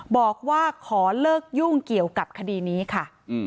บอกว่าขอเลิกยุ่งเกี่ยวกับคดีนี้ค่ะ